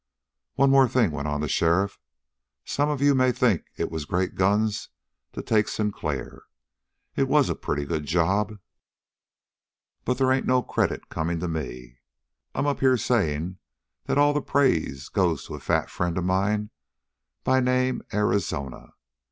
"One more thing," went on the sheriff. "Some of you may think it was great guns to take Sinclair. It was a pretty good job, but they ain't no credit coming to me. I'm up here saying that all the praise goes to a fat friend of mine by name Arizona.